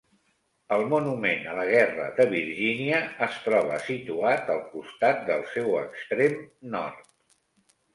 El Monument a la Guerra de Virgínia es troba situat al costat del seu extrem nord.